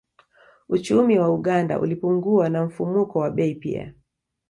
Uchumi wa Uganda ulipungua na mfumuko wa bei pia